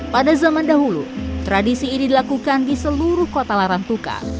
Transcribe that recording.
pada zaman dahulu tradisi ini dilakukan di seluruh kota larantuka